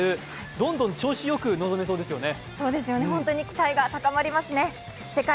どんどん調子よく臨めそうですよね。